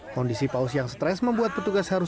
kondisi paus yang stres membuat petugas harus